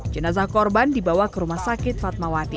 jenazah korban dibawa ke rumah sakit fatmawati